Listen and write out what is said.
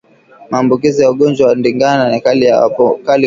Maambukizi ya ugonjwa wa ndigana kali kwa ngombe